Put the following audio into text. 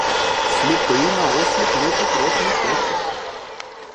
Сліпий наосліп лити кров не хоче.